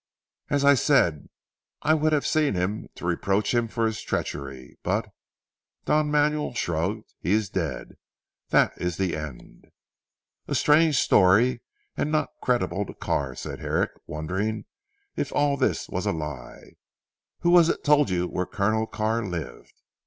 As I said I would have seen him to reproach him for his treachery, but " Don Manuel shrugged "he is dead. That is the end." "A strange story, and not creditable to Carr," said Herrick wondering if all this was a lie. "Who was it told you where Colonel Carr lived?"